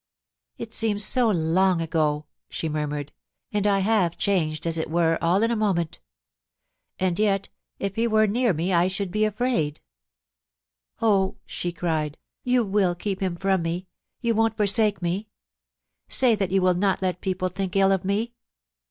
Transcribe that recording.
*It seems so long ago,' she murmured; 'and I have changed, as it were, all in a moment And yet if he were near me, I should be afraid Oh 1' she cried, ' you will keep him from me ; you won't forsake me ! Say that you will not let people think ill of me